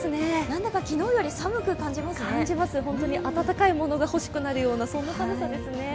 何だか、昨日より寒く感じますね温かいものが欲しくなるような、そんな寒さですね。